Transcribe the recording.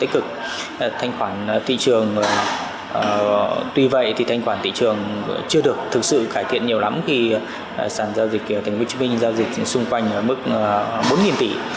chưa được thực sự cải thiện nhiều lắm khi sản giao dịch ở thành phố hồ chí minh giao dịch xung quanh mức bốn tỷ